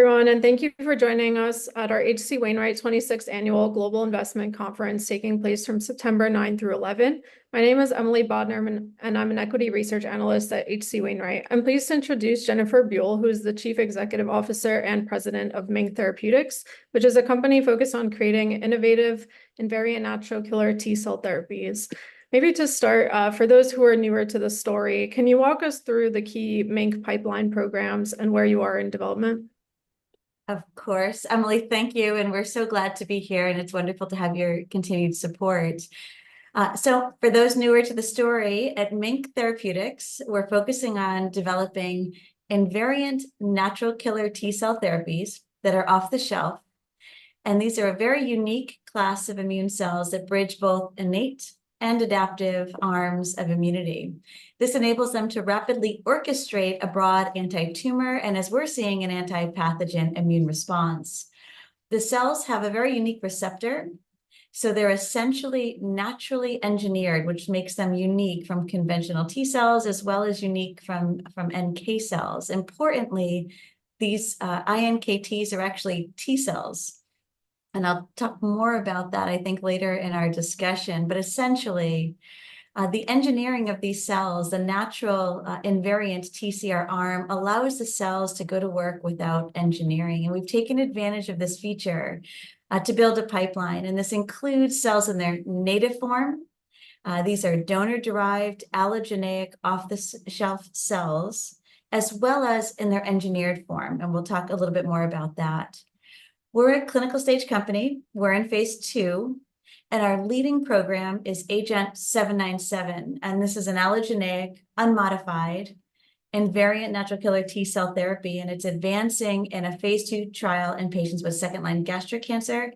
Hello, everyone, and thank you for joining us at our H.C. Wainwright twenty-sixth Annual Global Investment Conference, taking place from September nine through eleven. My name is Emily Bodnar, and I'm an equity research analyst at H.C. Wainwright. I'm pleased to introduce Jennifer Buell, who is the Chief Executive Officer and President of MiNK Therapeutics, which is a company focused on creating innovative invariant natural killer T cell therapies. Maybe to start, for those who are newer to the story, can you walk us through the key MiNK pipeline programs and where you are in development? Of course, Emily, thank you, and we're so glad to be here, and it's wonderful to have your continued support. So for those newer to the story, at MiNK Therapeutics, we're focusing on developing invariant natural killer T cell therapies that are off the shelf, and these are a very unique class of immune cells that bridge both innate and adaptive arms of immunity. This enables them to rapidly orchestrate a broad anti-tumor, and as we're seeing, an anti-pathogen immune response. The cells have a very unique receptor, so they're essentially naturally engineered, which makes them unique from conventional T cells, as well as unique from NK cells. Importantly, these iNKTs are actually T cells, and I'll talk more about that, I think, later in our discussion. But essentially, the engineering of these cells, the natural, invariant TCR arm, allows the cells to go to work without engineering, and we've taken advantage of this feature, to build a pipeline, and this includes cells in their native form. These are donor-derived, allogeneic, off-the-shelf cells, as well as in their engineered form, and we'll talk a little bit more about that. We're a clinical-stage company. We're in phase II, and our leading program is AGENT-797, and this is an allogeneic, unmodified, invariant natural killer T cell therapy, and it's advancing in a phase II trial in patients with second-line gastric cancer,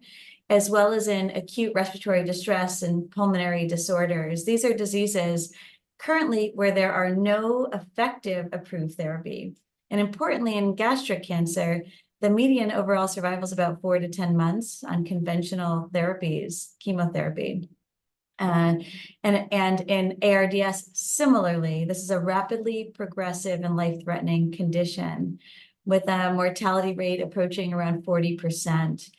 as well as in acute respiratory distress and pulmonary disorders. These are diseases currently where there are no effective approved therapy, and importantly, in gastric cancer, the median overall survival is about four-to-ten months on conventional therapies, chemotherapy. in ARDS, similarly, this is a rapidly progressive and life-threatening condition with a mortality rate approaching around 40%.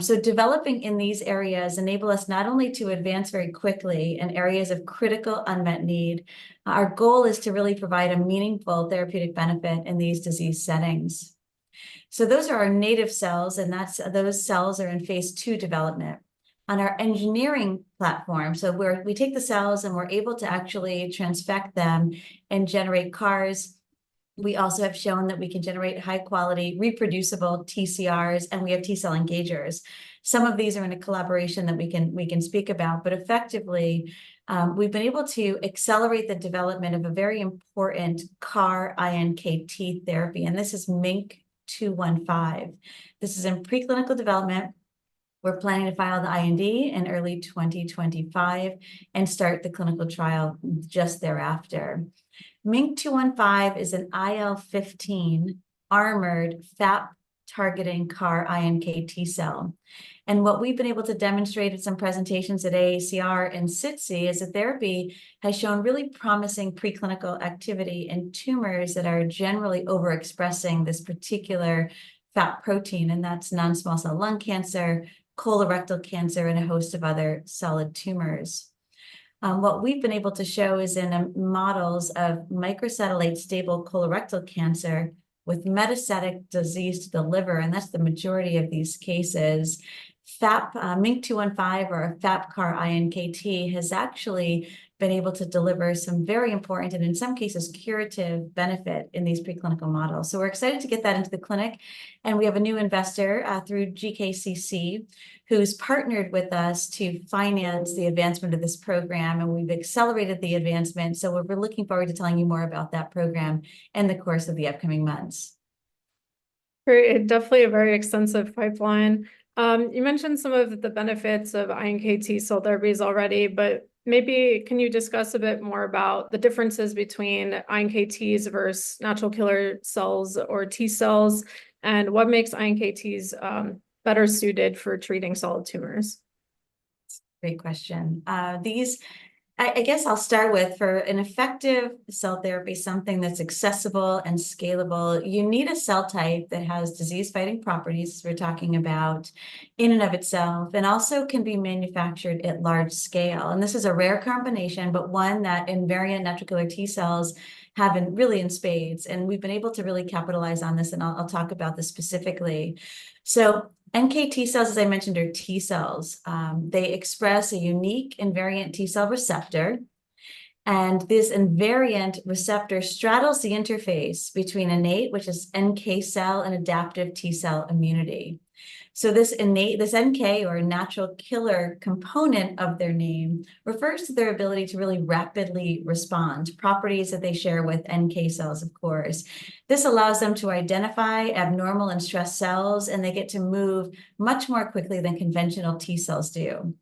So developing in these areas enable us not only to advance very quickly in areas of critical unmet need, our goal is to really provide a meaningful therapeutic benefit in these disease settings. Those are our native cells, and those cells are in phase II development. On our engineering platform, we take the cells, and we're able to actually transfect them and generate CARs. We also have shown that we can generate high-quality, reproducible TCRs, and we have T cell engagers. Some of these are in a collaboration that we can speak about, but effectively, we've been able to accelerate the development of a very important CAR-iNKT therapy, and this is MINK-215. This is in preclinical development. We're planning to file the IND in early 2025 and start the clinical trial just thereafter. MINK-215 is an IL-15 armored FAP-targeting CAR-iNKT cell, and what we've been able to demonstrate at some presentations at AACR and SITC is the therapy has shown really promising preclinical activity in tumors that are generally overexpressing this particular FAP protein, and that's non-small cell lung cancer, colorectal cancer, and a host of other solid tumors. What we've been able to show is in models of microsatellite stable colorectal cancer with metastatic disease to the liver, and that's the majority of these cases, FAP, MINK-215 or FAP CAR-iNKT has actually been able to deliver some very important, and in some cases, curative benefit in these preclinical models. So we're excited to get that into the clinic, and we have a new investor through GC Cell, who's partnered with us to finance the advancement of this program, and we've accelerated the advancement. So we're looking forward to telling you more about that program in the course of the upcoming months. Great. Definitely a very extensive pipeline. You mentioned some of the benefits of iNKT cell therapies already, but maybe can you discuss a bit more about the differences between iNKTs versus natural killer cells or T cells, and what makes iNKTs better suited for treating solid tumors? Great question. I guess I'll start with, for an effective cell therapy, something that's accessible and scalable, you need a cell type that has disease-fighting properties, we're talking about in and of itself, and also can be manufactured at large scale. This is a rare combination, but one that invariant natural killer T cells have in spades, and we've been able to really capitalize on this, and I'll talk about this specifically. NKT cells, as I mentioned, are T cells. They express a unique invariant T cell receptor, and this invariant receptor straddles the interface between innate, which is NK cell, and adaptive T cell immunity. This innate, this NK, or natural killer, component of their name refers to their ability to really rapidly respond, properties that they share with NK cells, of course. This allows them to identify abnormal and stressed cells, and they get to move much more quickly than conventional T cells do.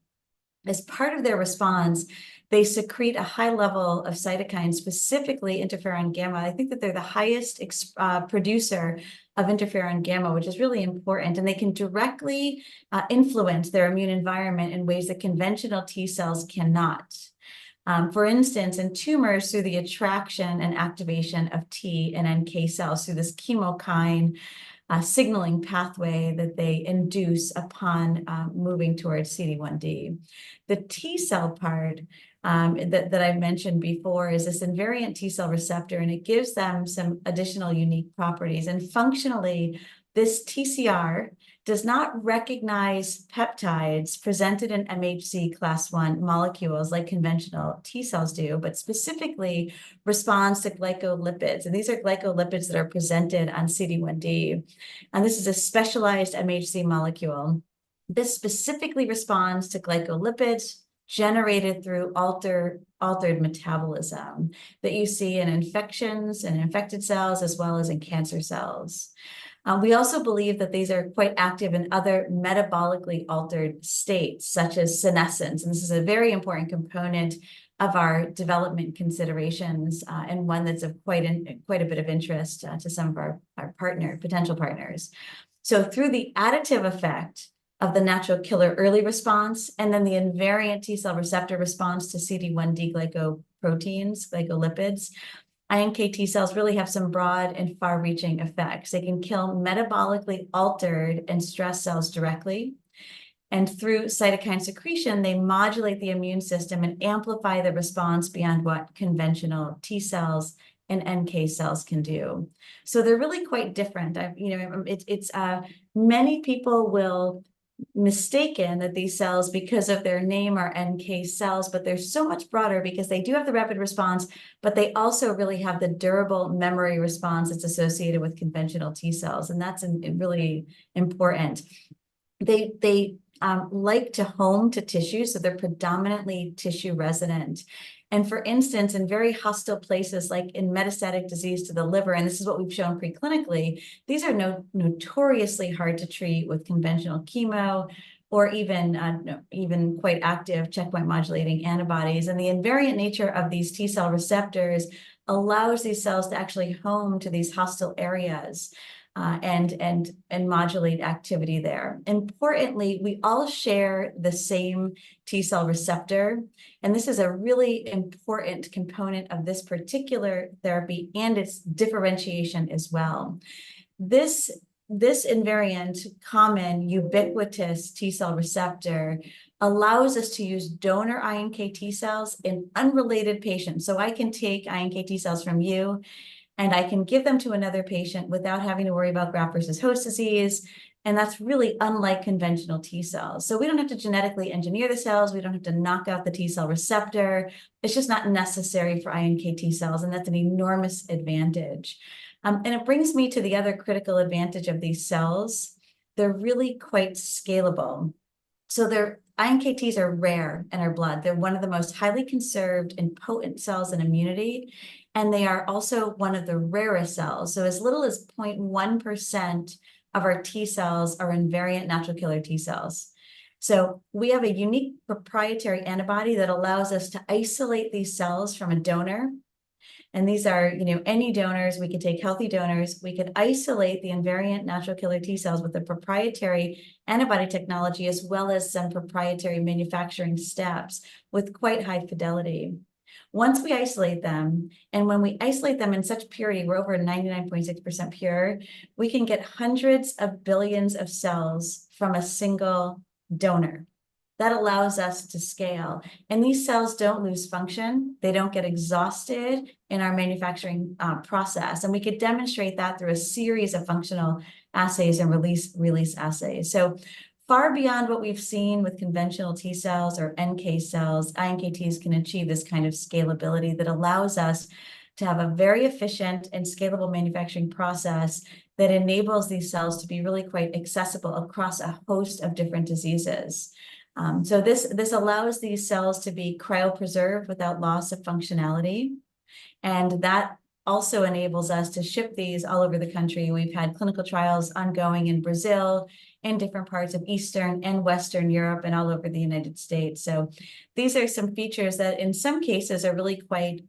As part of their response, they secrete a high level of cytokines, specifically interferon gamma. I think that they're the highest producer of interferon gamma, which is really important, and they can directly influence their immune environment in ways that conventional T cells cannot. For instance, in tumors, through the attraction and activation of T and NK cells, through this chemokine signaling pathway that they induce upon moving towards CD1d. The T cell part that I've mentioned before is this invariant T cell receptor, and it gives them some additional unique properties. And functionally, this TCR does not recognize peptides presented in MHC Class I molecules like conventional T cells do, but specifically responds to glycolipids, and these are glycolipids that are presented on CD1d, and this is a specialized MHC molecule. This specifically responds to glycolipids generated through altered metabolism that you see in infections, in infected cells, as well as in cancer cells. We also believe that these are quite active in other metabolically altered states, such as senescence, and this is a very important component of our development considerations, and one that's of quite a bit of interest to some of our potential partners. So through the additive effect of the natural killer early response, and then the invariant T cell receptor response to CD1d glycoproteins, glycolipids, iNKT cells really have some broad and far-reaching effects. They can kill metabolically altered and stressed cells directly, and through cytokine secretion, they modulate the immune system and amplify the response beyond what conventional T cells and NK cells can do. So they're really quite different. I, you know... Many people will mistaken that these cells, because of their name, are NK cells, but they're so much broader because they do have the rapid response, but they also really have the durable memory response that's associated with conventional T cells, and that's really important. They like to home to tissue, so they're predominantly tissue-resident. For instance, in very hostile places like in metastatic disease to the liver, and this is what we've shown preclinically, these are notoriously hard to treat with conventional chemo or even quite active checkpoint modulating antibodies. The invariant nature of these T cell receptors allows these cells to actually home to these hostile areas and modulate activity there. Importantly, we all share the same T cell receptor, and this is a really important component of this particular therapy and its differentiation as well. This invariant, common, ubiquitous T cell receptor allows us to use donor iNKT cells in unrelated patients. So I can take iNKT cells from you, and I can give them to another patient without having to worry about graft-versus-host disease, and that's really unlike conventional T cells. So we don't have to genetically engineer the cells, we don't have to knock out the T cell receptor. It's just not necessary for iNKT cells, and that's an enormous advantage. And it brings me to the other critical advantage of these cells. They're really quite scalable. So iNKTs are rare in our blood. They're one of the most highly conserved and potent cells in immunity, and they are also one of the rarest cells. So as little as 0.1% of our T cells are invariant natural killer T cells. So we have a unique proprietary antibody that allows us to isolate these cells from a donor, and these are, you know, any donors. We can take healthy donors. We can isolate the invariant natural killer T cells with a proprietary antibody technology, as well as some proprietary manufacturing steps with quite high fidelity. Once we isolate them, and when we isolate them in such purity, we're over 99.6% pure, we can get hundreds of billions of cells from a single donor. That allows us to scale, and these cells don't lose function. They don't get exhausted in our manufacturing process, and we could demonstrate that through a series of functional assays and release assays so far beyond what we've seen with conventional T cells or NK cells, iNKTs can achieve this kind of scalability that allows us to have a very efficient and scalable manufacturing process that enables these cells to be really quite accessible across a host of different diseases. This allows these cells to be cryopreserved without loss of functionality, and that also enables us to ship these all over the country. We've had clinical trials ongoing in Brazil, in different parts of Eastern and Western Europe, and all over the United States so these are some features that, in some cases, are really quite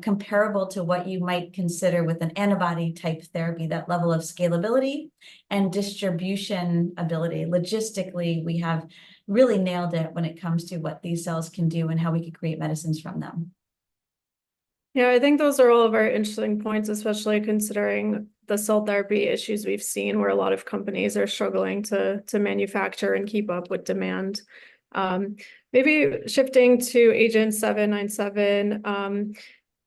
comparable to what you might consider with an antibody-type therapy, that level of scalability and distribution ability. Logistically, we have really nailed it when it comes to what these cells can do and how we can create medicines from them. Yeah, I think those are all very interesting points, especially considering the cell therapy issues we've seen, where a lot of companies are struggling to manufacture and keep up with demand. Maybe shifting to AGENT-797,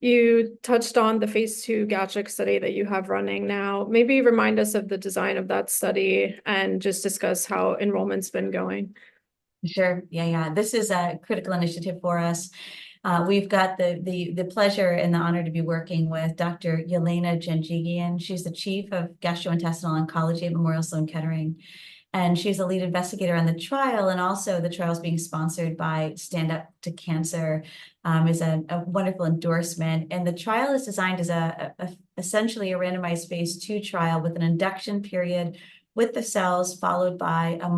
you touched on the phase 2 gastric study that you have running now. Maybe remind us of the design of that study and just discuss how enrollment's been going. Sure. Yeah, yeah. This is a critical initiative for us. We've got the pleasure and the honor to be working with Dr. Yelena Janjigian. She's the chief of gastrointestinal oncology at Memorial Sloan Kettering, and she's the lead investigator on the trial, and also the trial is being sponsored by Stand Up To Cancer. It's a wonderful endorsement, and the trial is designed as essentially a randomized phase 2 trial with an induction period with the cells, followed by a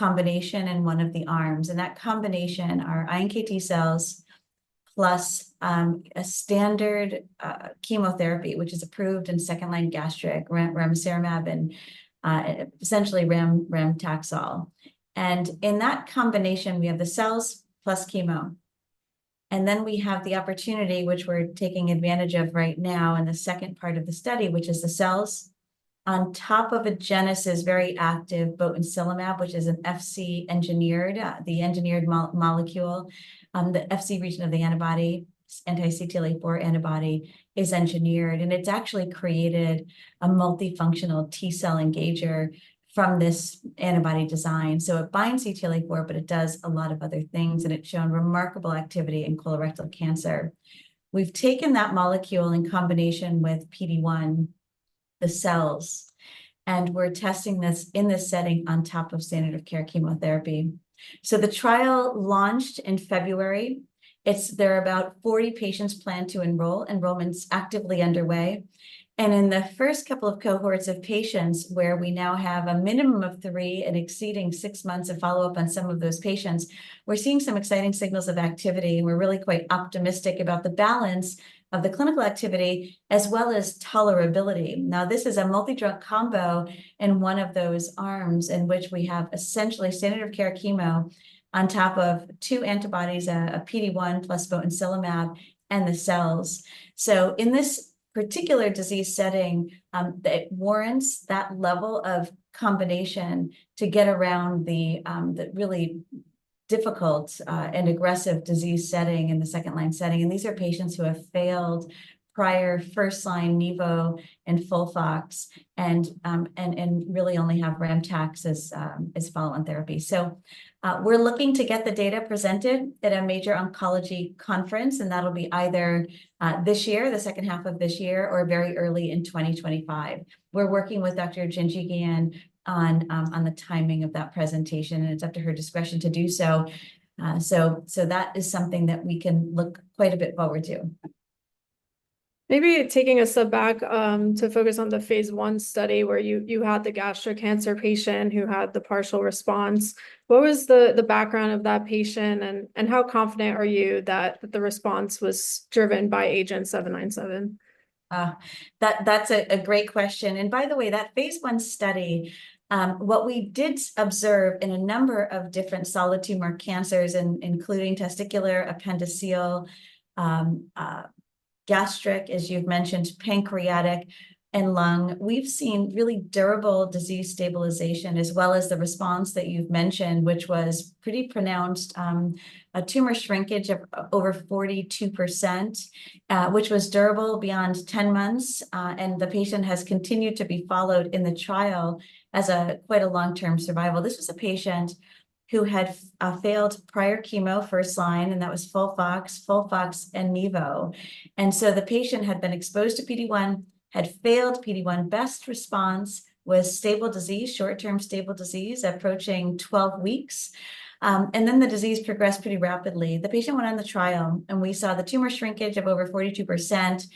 multi-combination in one of the arms, and that combination are iNKT cells plus a standard chemotherapy, which is approved in second-line gastric Ramucirumab and essentially RamTaxol. And in that combination, we have the cells plus chemo, and then we have the opportunity, which we're taking advantage of right now in the second part of the study, which is the cells on top of Agenus very active Botensilimab, which is an Fc-engineered, the engineered molecule. The Fc region of the antibody, anti-CTLA-4 antibody, is engineered, and it's actually created a multifunctional T-cell engager from this antibody design. So it binds CTLA-4, but it does a lot of other things, and it's shown remarkable activity in colorectal cancer. We've taken that molecule in combination with PD-1, the cells, and we're testing this in this setting on top of standard of care chemotherapy. So the trial launched in February. It's. There are about 40 patients planned to enroll. Enrollment's actively underway, and in the first couple of cohorts of patients, where we now have a minimum of three and exceeding six months of follow-up on some of those patients, we're seeing some exciting signals of activity, and we're really quite optimistic about the balance of the clinical activity as well as tolerability. Now, this is a multi-drug combo in one of those arms, in which we have essentially standard of care chemo on top of two antibodies, a PD-1 plus Botensilimab, and the cells, so in this particular disease setting, it warrants that level of combination to get around the, the really difficult, and aggressive disease setting in the second-line setting, and these are patients who have failed prior first-line Nivo and FOLFOX, and really only have RamTax as, as follow-on therapy. We're looking to get the data presented at a major oncology conference, and that'll be either this year, the second half of this year, or very early in twenty twenty-five. We're working with Dr. Janjigian on the timing of that presentation, and it's up to her discretion to do so. That is something that we can look quite a bit forward to. Maybe taking a step back, to focus on the phase I study, where you had the gastric cancer patient who had the partial response. What was the background of that patient, and how confident are you that the response was driven by AGENT-797? That's a great question, and by the way, that phase I study, what we did observe in a number of different solid tumor cancers, including testicular, appendiceal, gastric, as you've mentioned, pancreatic, and lung, we've seen really durable disease stabilization as well as the response that you've mentioned, which was pretty pronounced, a tumor shrinkage of over 42%, which was durable beyond 10 months, and the patient has continued to be followed in the trial as quite a long-term survival. This was a patient who had failed prior chemo first-line, and that was FOLFOX, FOLFOX and Nivo. So the patient had been exposed to PD-1, had failed PD-1. Best response was stable disease, short-term stable disease, approaching 12 weeks, and then the disease progressed pretty rapidly. The patient went on the trial, and we saw the tumor shrinkage of over 42%,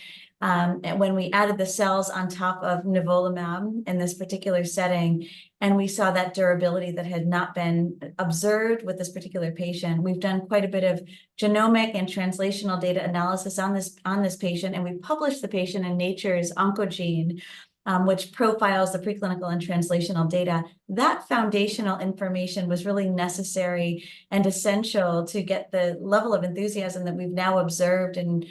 and when we added the cells on top of Nivolumab in this particular setting, and we saw that durability that had not been observed with this particular patient. We've done quite a bit of genomic and translational data analysis on this, on this patient, and we published the patient in Nature's Oncogene, which profiles the preclinical and translational data. That foundational information was really necessary and essential to get the level of enthusiasm that we've now observed in,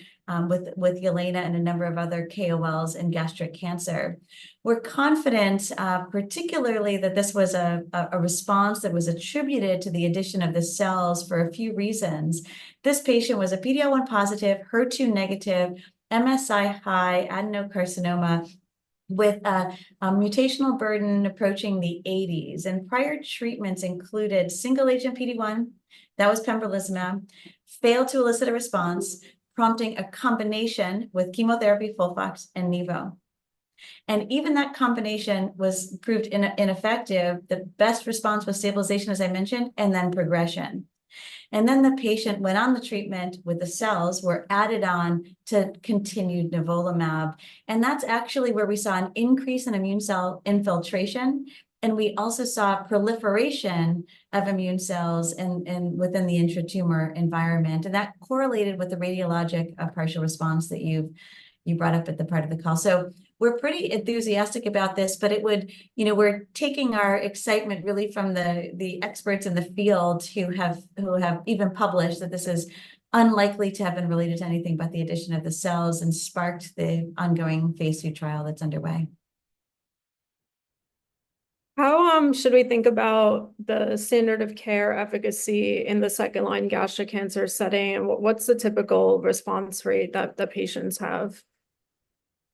with Yelena and a number of other KOLs in gastric cancer. We're confident, particularly that this was a response that was attributed to the addition of the cells for a few reasons. This patient was a PD-L1 positive, HER2 negative, MSI high adenocarcinoma with a mutational burden approaching the eighties, and prior treatments included single-agent PD-1, that was Pembrolizumab, failed to elicit a response, prompting a combination with chemotherapy, FOLFOX and Nivo, and even that combination was proved ineffective. The best response was stabilization, as I mentioned, and then progression, and then the patient went on the treatment with the cells, were added on to continued Nivolumab, and that's actually where we saw an increase in immune cell infiltration, and we also saw proliferation of immune cells within the intratumor environment, and that correlated with the radiologic partial response that you've brought up at the part of the call, so we're pretty enthusiastic about this, but it would... You know, we're taking our excitement really from the experts in the field who have even published that this is unlikely to have been related to anything but the addition of the cells and sparked the ongoing phase II trial that's underway. How should we think about the standard of care efficacy in the second-line gastric cancer setting, and what's the typical response rate that the patients have?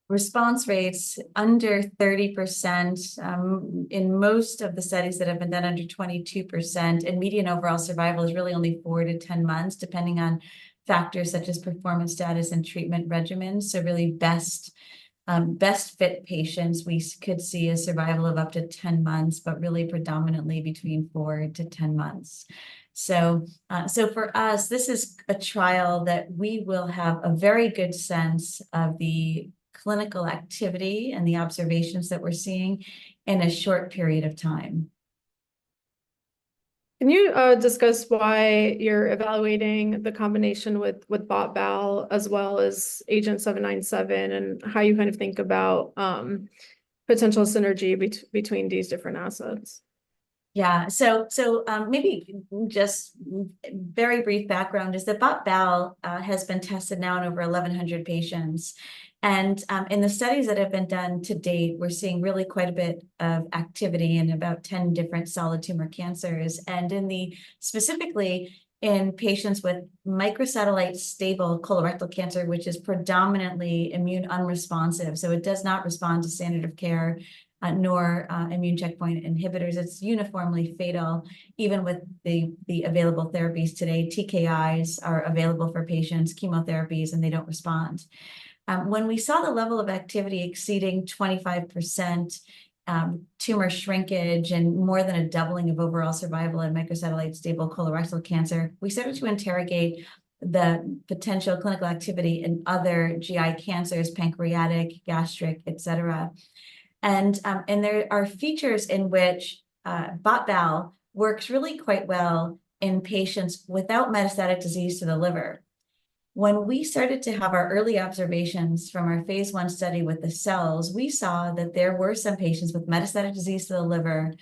Response rates under 30%, in most of the studies that have been done, under 22%, and median overall survival is really only four to 10 months, depending on factors such as performance status and treatment regimen, so really best fit patients, we could see a survival of up to 10 months, but really predominantly between four to 10 months, so for us, this is a trial that we will have a very good sense of the clinical activity and the observations that we're seeing in a short period of time. ... Can you discuss why you're evaluating the combination with Bot/Bal as well as AGENT-797, and how you kind of think about potential synergy between these different assets? Yeah, so, maybe just very brief background is that Bot/Bal has been tested now in over 1,100 patients, and in the studies that have been done to date, we're seeing really quite a bit of activity in about 10 different solid tumor cancers. And specifically in patients with microsatellite stable colorectal cancer, which is predominantly immune unresponsive, so it does not respond to standard of care, nor immune checkpoint inhibitors. It's uniformly fatal, even with the available therapies today. TKIs are available for patients, chemotherapies, and they don't respond. When we saw the level of activity exceeding 25%, tumor shrinkage and more than a doubling of overall survival in microsatellite stable colorectal cancer, we started to interrogate the potential clinical activity in other GI cancers, pancreatic, gastric, et cetera. There are features in which Bot/Bal works really quite well in patients without metastatic disease to the liver. When we started to have our early observations from our phase one study with the cells, we saw that there were some patients with metastatic disease to the liver,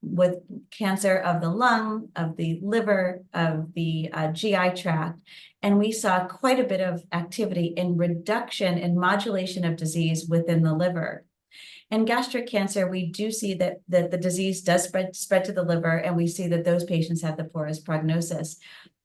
with cancer of the lung, of the liver, of the GI tract. We saw quite a bit of activity in reduction, in modulation of disease within the liver. In gastric cancer, we do see that the disease does spread to the liver, and we see that those patients have the poorest prognosis.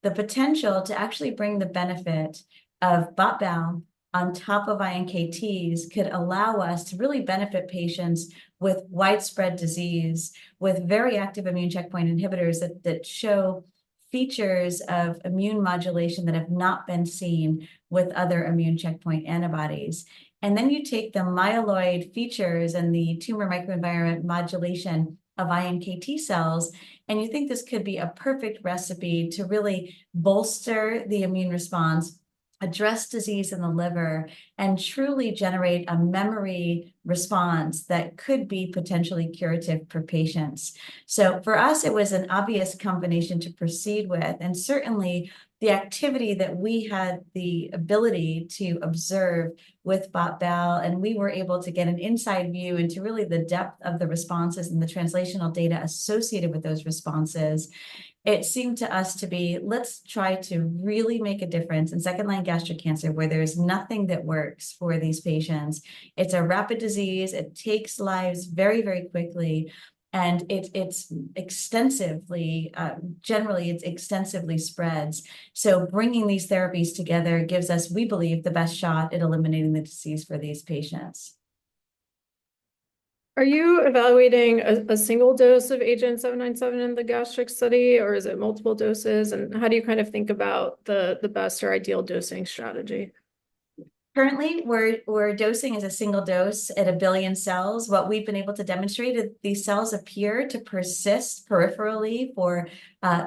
The potential to actually bring the benefit of Bot/Bal on top of iNKTs could allow us to really benefit patients with widespread disease, with very active immune checkpoint inhibitors that show features of immune modulation that have not been seen with other immune checkpoint antibodies. Then you take the myeloid features and the tumor microenvironment modulation of iNKT cells, and you think this could be a perfect recipe to really bolster the immune response, address disease in the liver, and truly generate a memory response that could be potentially curative for patients. For us, it was an obvious combination to proceed with, and certainly the activity that we had the ability to observe with Bot/Bal, and we were able to get an inside view into really the depth of the responses and the translational data associated with those responses. It seemed to us to be, let's try to really make a difference in second-line gastric cancer, where there's nothing that works for these patients. It's a rapid disease. It takes lives very, very quickly, and generally, it extensively spreads. So bringing these therapies together gives us, we believe, the best shot at eliminating the disease for these patients. Are you evaluating a single dose of AGENT-797 in the gastric study, or is it multiple doses? And how do you kind of think about the best or ideal dosing strategy? Currently, we're dosing as a single dose at a billion cells. What we've been able to demonstrate is these cells appear to persist peripherally for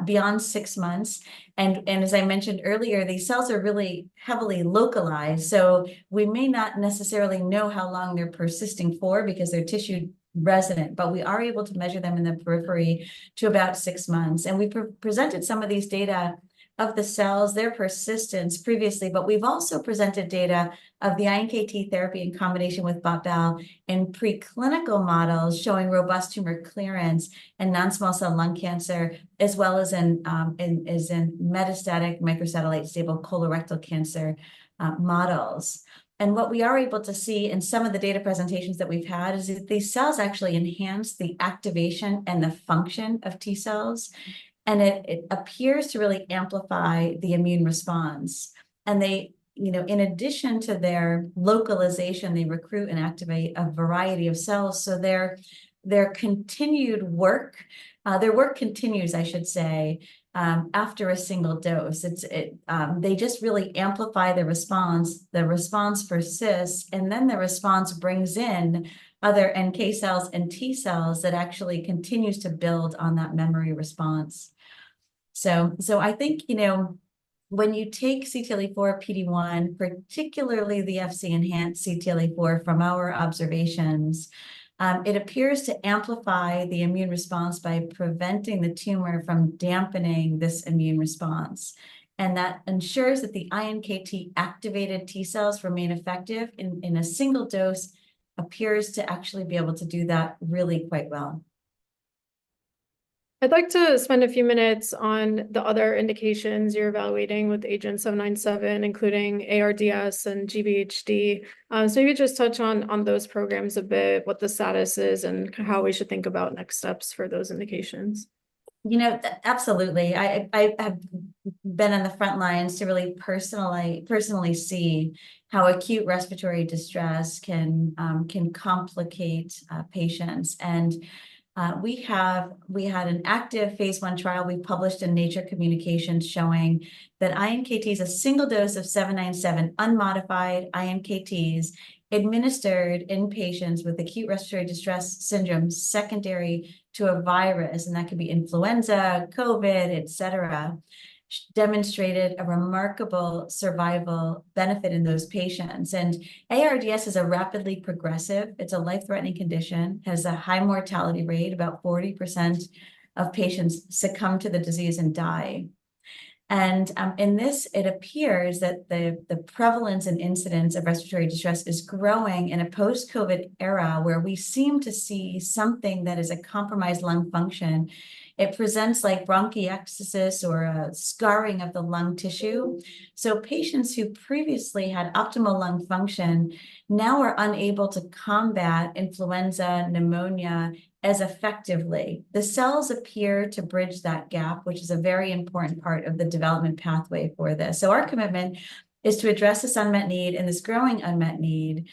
beyond six months. As I mentioned earlier, these cells are really heavily localized, so we may not necessarily know how long they're persisting for because they're tissue-resident, but we are able to measure them in the periphery to about six months. We previously presented some of these data of the cells' persistence previously, but we've also presented data of the iNKT therapy in combination with Bot/Bal in preclinical models showing robust tumor clearance in non-small cell lung cancer, as well as in metastatic microsatellite stable colorectal cancer models. What we are able to see in some of the data presentations that we've had is that these cells actually enhance the activation and the function of T cells, and it appears to really amplify the immune response. They, you know, in addition to their localization, they recruit and activate a variety of cells, so their work continues, I should say, after a single dose. They just really amplify the response. The response persists, and then the response brings in other NK cells and T cells that actually continues to build on that memory response. I think, you know, when you take CTLA-4, PD-1, particularly the FC enhanced CTLA-4, from our observations, it appears to amplify the immune response by preventing the tumor from dampening this immune response. That ensures that the iNKT-activated T cells remain effective in a single dose. It appears to actually be able to do that really quite well. I'd like to spend a few minutes on the other indications you're evaluating with AGENT-797, including ARDS and GVHD, so maybe just touch on those programs a bit, what the status is, and how we should think about next steps for those indications. You know, absolutely. I've been on the front lines to really personally see how acute respiratory distress can complicate patients. We had an active phase 1 trial we published in Nature Communications, showing that AGENT-797 is a single dose of unmodified iNKTs administered in patients with acute respiratory distress syndrome secondary to a virus, and that could be influenza, COVID, et cetera, demonstrated a remarkable survival benefit in those patients. ARDS is a rapidly progressive. It's a life-threatening condition, has a high mortality rate. About 40% of patients succumb to the disease and die. It appears that the prevalence and incidence of respiratory distress is growing in a post-COVID era, where we seem to see something that is a compromised lung function. It presents like bronchiectasis or a scarring of the lung tissue. So patients who previously had optimal lung function now are unable to combat influenza, pneumonia as effectively. The cells appear to bridge that gap, which is a very important part of the development pathway for this. So our commitment is to address this unmet need and this growing unmet need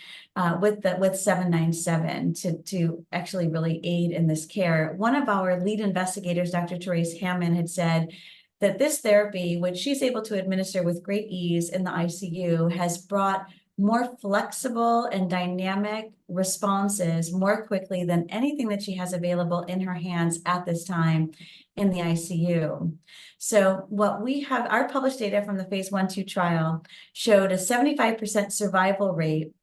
with AGENT-797 to actually really aid in this care. One of our lead investigators, Dr. Therese Hammond, had said that this therapy, which she's able to administer with great ease in the ICU, has brought more flexible and dynamic responses more quickly than anything that she has available in her hands at this time in the ICU. So what we have. Our published data from the phase 1/2 trial showed a 75% survival rate.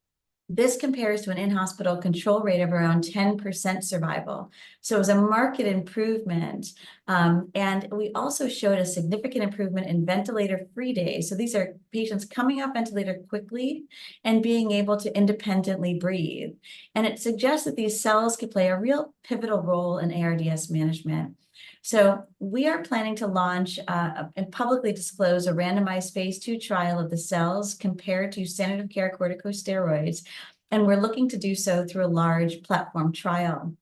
This compares to an in-hospital control rate of around 10% survival, so it was a marked improvement. And we also showed a significant improvement in ventilator-free days. So these are patients coming off ventilator quickly and being able to independently breathe, and it suggests that these cells could play a real pivotal role in ARDS management. So we are planning to launch and publicly disclose a randomized phase 2 trial of the cells compared to standard of care corticosteroids, and we're looking to do so through a large platform trial.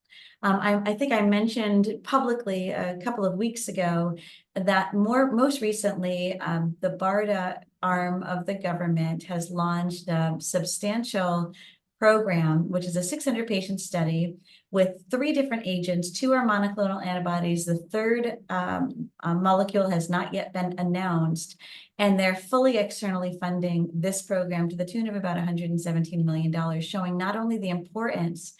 I think I mentioned publicly a couple of weeks ago that most recently, the BARDA arm of the government has launched a substantial program, which is a 600-patient study with three different agents. Two are monoclonal antibodies. The third molecule has not yet been announced, and they're fully externally funding this program to the tune of about $117 million, showing not only the importance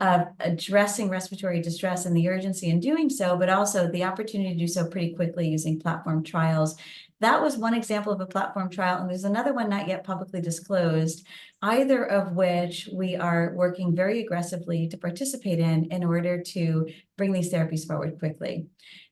of addressing respiratory distress and the urgency in doing so, but also the opportunity to do so pretty quickly using platform trials. That was one example of a platform trial, and there's another one not yet publicly disclosed, either of which we are working very aggressively to participate in in order to bring these therapies forward quickly.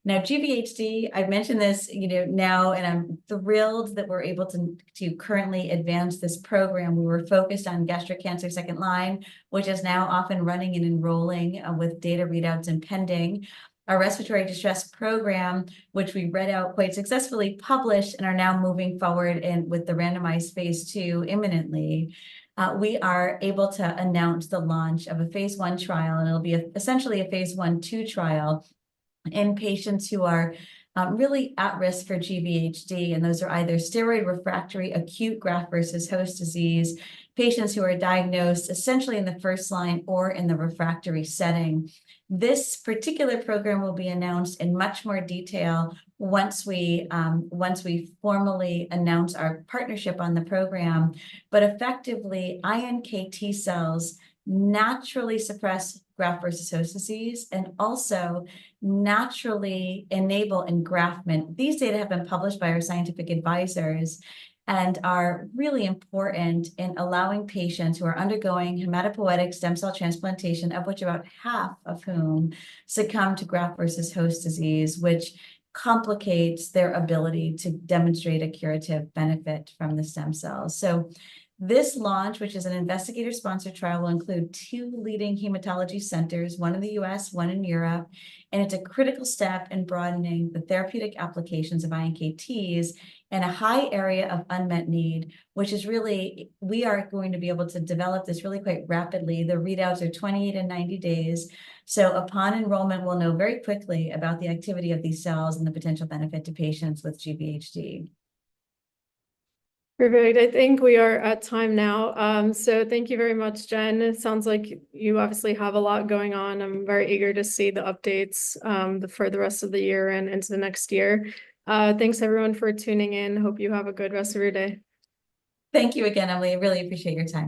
Now, GVHD, I've mentioned this, you know, now, and I'm thrilled that we're able to currently advance this program. We were focused on gastric cancer second line, which is now off and running and enrolling with data readouts pending. Our respiratory distress program, which we read out quite successfully, published and are now moving forward with the randomized phase two imminently. We are able to announce the launch of a phase one trial, and it'll be essentially a phase one two trial in patients who are really at risk for GVHD, and those are either steroid-refractory acute graft-versus-host disease patients who are diagnosed essentially in the first line or in the refractory setting. This particular program will be announced in much more detail once we, once we formally announce our partnership on the program. But effectively, iNKT cells naturally suppress graft-versus-host disease and also naturally enable engraftment. These data have been published by our scientific advisors and are really important in allowing patients who are undergoing hematopoietic stem cell transplantation, of which about half of whom succumb to graft-versus-host disease, which complicates their ability to demonstrate a curative benefit from the stem cells. So this launch, which is an investigator-sponsored trial, will include two leading hematology centers, one in the U.S., one in Europe, and it's a critical step in broadening the therapeutic applications of iNKTs in a high area of unmet need, which is really... We are going to be able to develop this really quite rapidly. The readouts are twenty-eight and ninety days, so upon enrollment, we'll know very quickly about the activity of these cells and the potential benefit to patients with GVHD. Great. I think we are at time now. So thank you very much, Jen. It sounds like you obviously have a lot going on. I'm very eager to see the updates for the rest of the year and into the next year. Thanks everyone for tuning in. Hope you have a good rest of your day. Thank you again, Emily. I really appreciate your time.